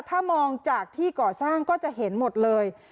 ถ้ามองจากที่ก่อสร้างก็จะเห็นหมดเลย